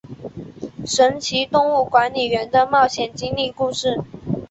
神奇动物管理员的冒险经历故事。